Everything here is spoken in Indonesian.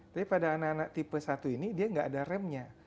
tapi pada anak anak tipe satu ini dia nggak ada remnya